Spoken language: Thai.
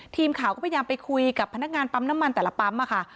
ทีมข่าวก็พยายามไปคุยกับพนักงานปั๊มน้ำมันแต่ละปั๊มค่ะ